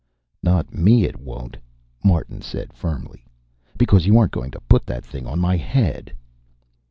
"Not me, it won't," Martin said firmly. "Because you aren't going to put that thing on my head."